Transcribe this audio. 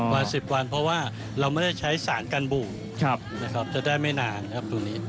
วัน๑๐วันเพราะว่าเราไม่ได้ใช้สารกันบู่นะครับจะได้ไม่นานครับตัวนี้